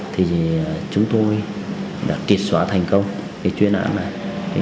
thì chúng tôi đã kịp xóa thành công cái chuyên án này